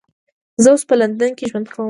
زه اوس په لندن کې ژوند کوم